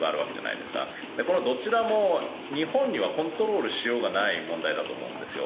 このどちらも日本にはコントロールしようがない問題だと思うんですよ。